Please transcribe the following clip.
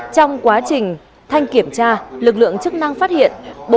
trong quá trình thanh kiểm tra lực lượng chức năng phát hiện